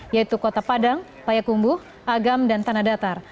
yaitu kota padang payakumbuh agam dan tanah datar